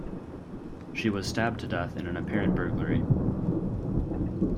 She was stabbed to death in an apparent burglary.